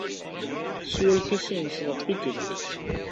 Teswa lkas-nnes ɣef tikkelt.